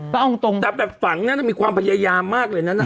แปบฝังมันมีความพยายามมากเลยน่ะ